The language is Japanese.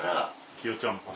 キヨちゃんぽん。